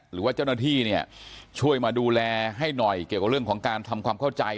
หรือว่าเจ้าหน้าที่เนี่ยช่วยมาดูแลให้หน่อยเกี่ยวกับเรื่องของการทำความเข้าใจ